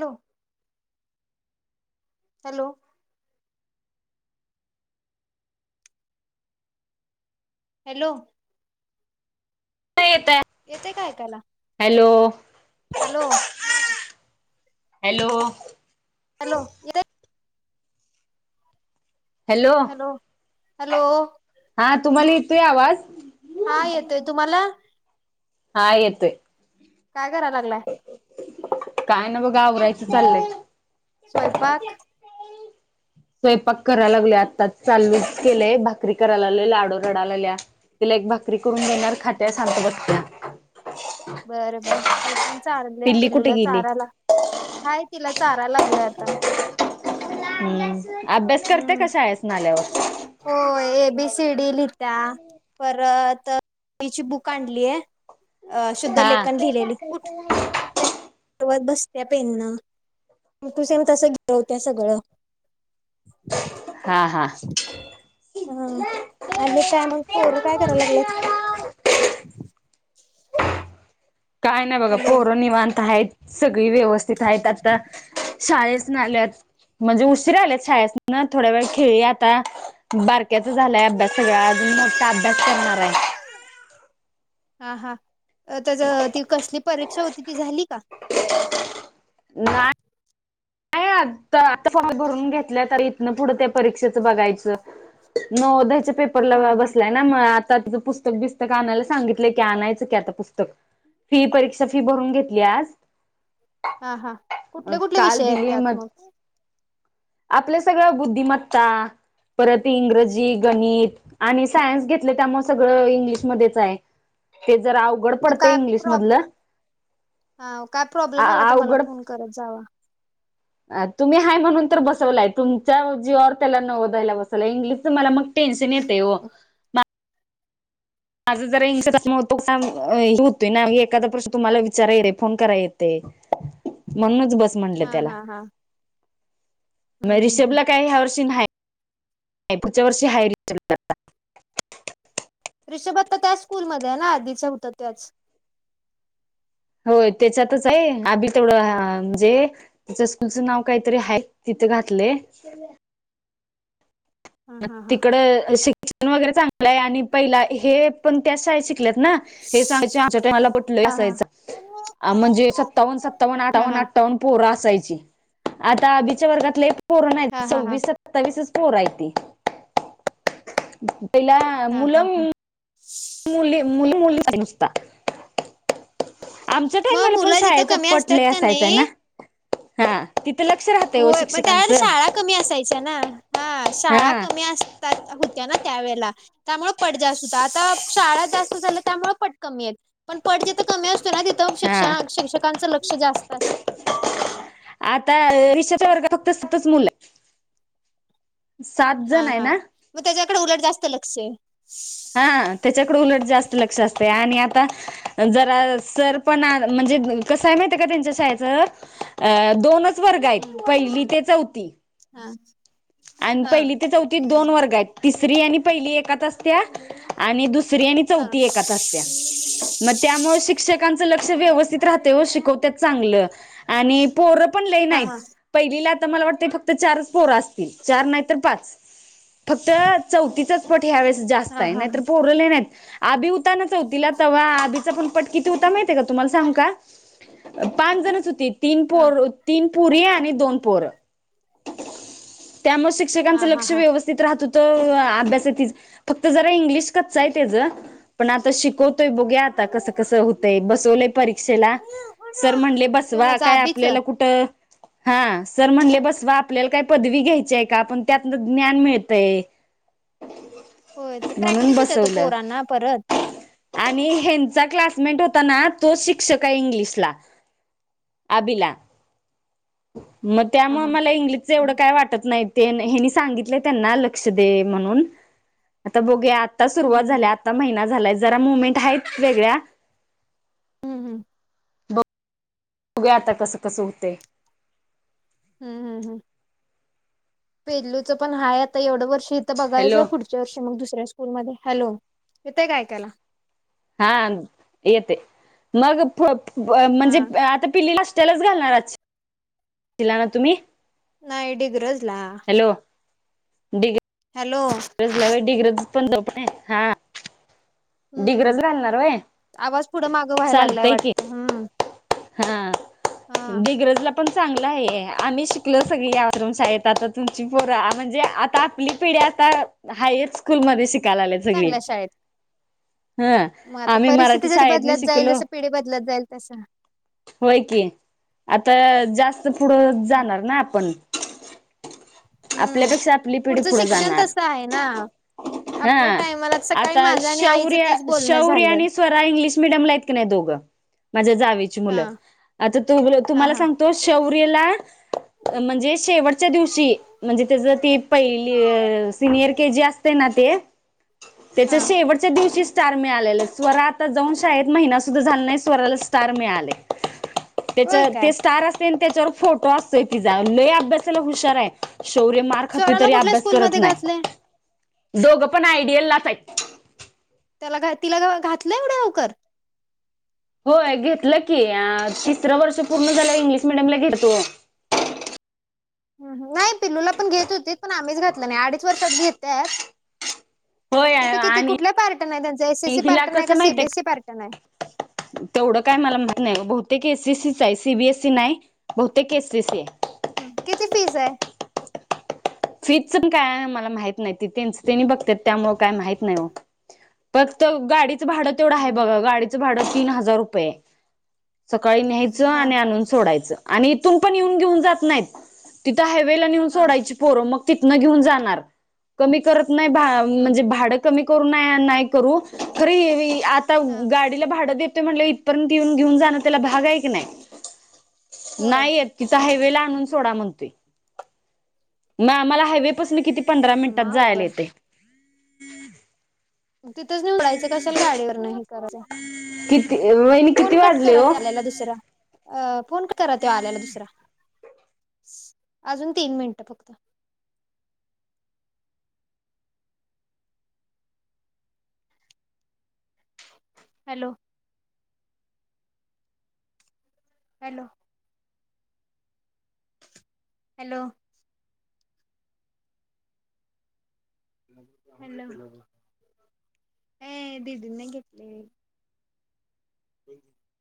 Hello! Hello! Hello! ऐकु नाही येतंय? येतेय काय ऐकायला? हॅलो! हॅलो! हॅलो! हॅलो, येतय हॅलो, हॅलो हा तुम्हाला येतोय आवाज, काय येतोय, तुम्हाला हा येतोय, काय कराय लागलाय. काय नाही बघा आवरायचं चाललंय. स्वयंपाक स्वयंपाक कराय लागलोय. आत्ताच चालूच केलंय, भाकरी करायला लागलोय. लाडू रडायला लागलीया. तिला एक भाकरी करून देणार, खातीया शांत बसतीया. बर बर मी पण चारलय. पिल्ली कुठे पिल्लूला गेली चारायला. हाय तिला चाराय लागलोय आता, हम्म, अभ्यास करतीया काय? शाळेसन आल्यावर होय, ए बी सी डी लिहितीया. परतची [unintelligible] बुक आणलीय. अ हा शुद्धलेखन लिहिलेली. उठ लिहवत बसतीया. पेन सेम टू सेम तसं गिरवत्या सगळं, हा हा हा आणि काय मग? पोर काय कराय लागल्यात. हा काय नाही बघा, हॅलो पोर निववाांत आहेत. सगळी व्यवस्थित आहेत. आता शाळेसन आल्यात. म्हणजे उशीर आल्यात शाळेसन, थोड्या वेळ खेळी आता बार बारक्याचा झालाय अभ्यास सगळा, हा अजून मोठा अभ्यास करणार आहे. हा हा त्याच ती कसली परीक्षा होती. ती झाली का? नाही. नाही आता फॉर्म भरून घेतल्या तर इथन पुढं त्या परीक्षेचं बघायचं. नवोदयच्या हा पेपरला हा बसला. म आता तिचं पुस्तक बिस्तक आणायला सांगितलंय की, आणायचं की आता पुस्तक फी परीक्षा फी भरून घेतली आज, हा हा कुठले कुठले काल विषय आहेत. दिली त्यात मग, आपल्या सगळ्या बुद्धिमत्ता परत इंग्रज जी, गणित, आणि सायन्स घेतलय त्यामुळे सगळ इंग्लिशमध्येच हाय, ते जरा अवघड मग पडतं काय इंग्लिश प्रॉब्लेम मधलं हा काय प्रॉब्लेम आला तर मला अवघड फोन करत जावा. तुम्ही हाय म्हणून तर बसवलाय तुमच्या जीवावर त्याला नवोदयला बसवलय इंग्लिशच मला मग टेन्शन येतंय ओ. माझा जरा इं ज्मा होतो होतोय ना एखादा प्रश्न तुम्हाला विचारा येते फोन कराय येतय. [inaudible] म्हणूनच बस हा हा हा. म हम्म हम्म हम्म रिषभला काय ह्या वर्षी नाही पुढच्या वर्षी आहे, रिषभला रिषभ आता त्याच स्कूलमध्ये आहे ना आधीच होता त्याच? होय त्याच्यातच आहे, आभी तेवढं अ म्हणजे तिच्या स्कूलचं नाव काहीतरी आहे तिथं घातलंय. हा हा हा तिकड शिक्षण वगैरे चांगलं आहे आणि पहिला हे पण त्या शाळेत शिकल्यात ना हे सांगायचे आमच्या टायमाला पट लई हा असायच, म्हणजे सत्तावन सत्तावन हा हा आठ्ठवन हा आठ्ठवन पोर असायची, आता अभीच्या वर्गात लई पोरं नाही हा हा हा सव्वीस सत्तावीसच पोर हायती. पहिला हा हा मुलं हा. मुली मुली मुली [unintelligible] आमच्या मग टाइमला पण मुलं जिथं शाळेचा कमी पट लई असतात का असायचं ना नाही हा. तिथं लक्ष राहतय ओ होय पण त्यावेळेला शिक्षकांचं. शाळा कमी असायच्या ना हा शाळा हा कमी असतात होत्या ना त्यावेळेला त्यामुळे पट जास्त होता, आता शाळा जास्त झाल्या त्यामुळे पट कमी आहेत. पण पट जिथं कमी असतोय ना तिथं शिक्ष हा शिक्षकांचं लक्ष जास्त असतय. आता ईषाच्या वर्ग फक्त सतच मुलं सात हा जण आहे हा ना? मग त्याच्याकडे उलट जास्त लक्ष. हा त्याच्याकडे उलट जास्त लक्ष असतय आणि आता जरा सर पण म्हणजे कस हाय माहित्या का त्यांच्या शाळेच दोनच च वर्ग आहे, हम्म, पहिली ते चौथी हा आणि हा पहिली ते चौथीत दोन वर्ग आहेत. तिसरी आणि पहिली एकात असत्या आणि दुसरी आणि हा चौथी एकत असत्या मग त्यामुळे शिक्षकांचं लक्ष व्यवस्थित राहतय ओ शिकवत्यात चांगलं आणि पोरं पण लई नाहीत. हा पहिलीला आता मला वाटतं फक्त चारच पोर असतील चार नाहीतर पाच फक्त चौथीचाच पट ह्या वेळेस जास्त हा हा आहे हा नाहीतर पो र लई नाहीत, अभि होता ना चौथीला तवा अभिचा पण पट किती होता माहिय का तुम्हाला सांगु का पाच जणच होती तीन हा पोर तीन पोरी आणि दोन पोर, त्यामुळे संग सगळ्यांच हा हा लक्ष हा व्यवस्थित राहत होत, अभ्यासातच फक्त जरा इंग्लिश कच आहे त्याच पण आता शिकवतोय बघूया आता कसं कसं होतंय, बस सवलय परीक्षेला सर म्हणले बसवा कोणाच काय आबीच आपल्याला कुठ हा सर म्हणले बसवा आपल्याला काय पदवी घ्यायची आहे का आपण त्यातन ज्ञान मिळतंय. होय ते म्हणून प्रॅक्टिस होत्यात ओ बसवलं. पोरांना परत आणि ह्याचा क्लासमेट होता ना, तो शिक्षक आहे इंग्लिशला. आभीला मग हा त्यामुळे हा मला इंग्लिशच एवढं हा. काय वाटत नाही. ते हेनी सांगितलंय त्यांना लक्ष दे म्हणून आता बघया आत्ता हम्म सुरुवात हम्म हम्म झाल्या आत्ता महिना झालाय जरा मुवमेंट आहेत वेगळ्या हम् हम्. बघुया आता कसं कसं होतय. हम्म हम्म हम्म, पिल्लूच पण हाय आता एवढं वर्ष इथं हॅलो बघायचं पुढच् ्यावर्षी मग दुसऱ्या स्कूल मध्ये हॅलो येतय का ऐकायला? हा येतय मग पुढं अ म्हणजे हा आता पिलीला त्यालाच घालणार. दिला तुम्ही नाही डीगरजला हॅलो! डीगी हॅलो! [inaudible] पण ये हा हम्म, डिग्रज घालणार वय आवाज पुढं माघ व्हाय लागलाय चालतय की वाटतं, हम्म हा हा डीगरजला पण चांगलं आहे आम्ही शिकलो सगळी या आश्रम शाळेत आता तुमची पोर म्हणजे आता आपली पिढी आता हायस स्कूल मध्ये शिका लालेत सगळी. चांगल्या शाळेत हा मग आता आम्ही मराठी परिस्थिती जशी शाळेतन बदलत जाईल शिकलो. जसं पिढी बदलत जाईल तसं. होय की, आता जास्त पुढ जाणार ना आपण. हम्म, आपल्यापेक्षा आपली पिढी पुढचं पुढे शिक्षण जाणार तसं आहे ना. हा आपल्या टायमाला सकाळी आता माझं आणि आईचं शौर्य तेच बोलणं शौर्य झालं आणि स्वरा इंग्लिश मिडियमला आहेत की नाही दोघं. माझ्या जावेची हा मुलं, आता तू हा तुम्हाला हा सांगतो शौर्यला म्हणजे शेवटच्या दिवशी, म्हणजे तेझ ती पहिली सिनियर के जी असते ना, ते, तेच हा शेवट च्या दिवशी स्टार मिळालेल स्वरा आता जाऊन शाळेत महिना सुद्धा झाला नाही स्वराला स्टार मिळालय. होय तेच्यात काय ते स्टार अस तेन त्याच्यावर फोटो असतोय तिझा लय अभ्यासाला हुशार आहे, शौर्य मा खातोय स्वराला तरी कुठल्या अभ्यास करत स्कूलमध्ये घातलंय? नाही, दोघं पण आयडियल लाच हायत. त्याला घा तिला घातल एवढ्या लवकर? होय घेतलं की तिसर वर्ष पूर्ण झाल्यावर इंग्लिश मिडियमला घेतो. नाही पिल्लूला पण घेत होते पण आम्हीच घातलं नाही अडीच वर्षात घेत्यात. होय तिथे किती आणि कुठलं पार्टन आहे त्यांचं एस एस सी हिला पार्टन आहे का कसं सी बी माहितीय ए सी पार्टन आहे? तेवढं काय मला माहित नाही ग, बहुतेक एसीसीच आहे सीबीएससी नाही. बहुतेक एसीसी ये. हं किती फीस ये? फीजच पण काय मला माहित नाही ते त्यांचतेनी बघ त्यात त्यामुळे काय माहित नाही ओ, फक्त गाडीचं भाड तेवढ हाय बगा गाडी च भाड तीन हजार रुपयेय, सकाळी न्यायच हा आणि हा हा. आणून सोडायचं. आणि इथून पण येऊन घेऊन जात नाहीत, तिथं हायवेला नेऊन हा सोडायची. पोर मग तिथन घेऊन जाणार, कमी करत भा म्हणजे हम्म. भाडं कमी करू ना नाय करू, खरं ही आता हा गा तिला भाडं देतोय म्हंटल्यावर इथपर्यंत येऊन घेऊन जाण त्याला भाग आहे कनाय, होय नाही येत. हिथ हायवेला आणून सोडा म्हणतोय. ना आम्हाला हायवे पासून किती पंधरा म मिनिटात जायला अवघड येतंय. तिथंच निहुन सोडायचं कशाला गाडीवर हे करायचं. किती वाहिनी किती फोन कट वाजले करा ओ? ते आल्याला दुसरा अ फोन करा ते आल्याला दुसरा, अजून तीन मिनिटं फक्त. हॅलो! हॅलो! हॅलो! हॅलो! ए दिदींनी घेतलि. [unintelligible]